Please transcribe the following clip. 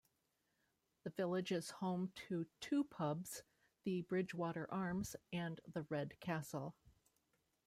The village is home to two pubs, The Bridgewater Arms and the Red Castle.